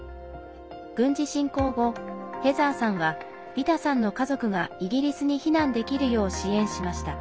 軍事侵攻後、ヘザーさんはヴィタさんの家族がイギリスに避難できるよう支援しました。